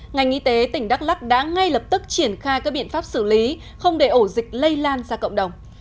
ngành y tế tỉnh đắk lắc đã ngay lập tức triển khai các biện pháp xử lý không để ổ dịch lây lan ra cộng đồng